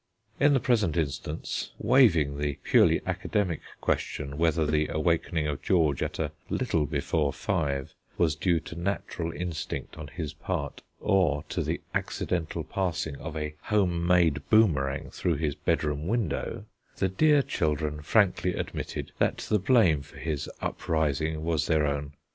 In the present instance, waiving the purely academic question whether the awakening of George at a little before five was due to natural instinct on his part, or to the accidental passing of a home made boomerang through his bedroom window, the dear children frankly admitted that the blame for his uprising was their own.